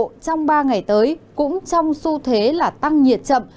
trong ba ngày tới cũng trong xu thế là tăng nhiệt chậm